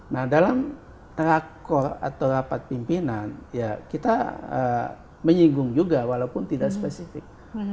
nah dalam trakor atau rapat pimpinan ya kita menyinggung juga walaupun tidak spesifik